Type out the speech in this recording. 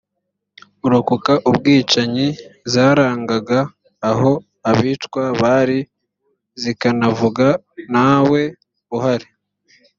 urokoka ubwicanyi zarangaga aho abicwa bari zikanavuga ntawe uhari